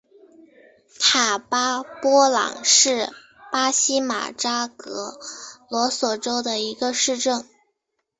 塔巴波朗是巴西马托格罗索州的一个市镇。